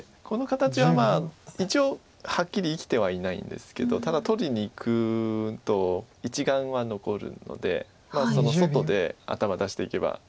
この形は一応はっきり生きてはいないんですけどただ取りにいくと１眼は残るのでその外で頭出していけば。